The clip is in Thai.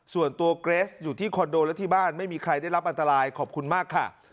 ส่วนตัวเกรสอยู่ที่คอนโดและที่บ้านไม่มีใครได้รับอันตรายขอบคุณมากค่ะ